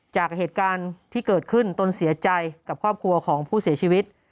จากเหตุการณ์ที่เกิดขึ้นตนเสียใจกับครอบครัวของผู้เสียชีวิต